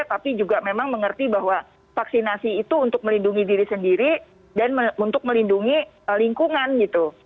tapi juga memang mengerti bahwa vaksinasi itu untuk melindungi diri sendiri dan untuk melindungi lingkungan gitu